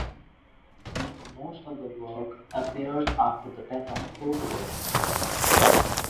Most of the work appeared after the death of Cuvier.